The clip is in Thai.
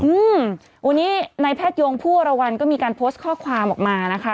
อืมวันนี้ในแพทยงผู้วรวรรณก็มีการโพสต์ข้อความออกมานะคะ